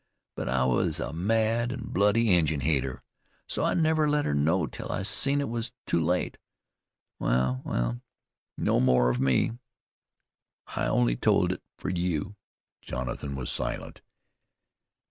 But I was a mad an' bloody Injun hater, so I never let her know till I seen it was too late. Wal, wal, no more of me. I only told it fer you." Jonathan was silent.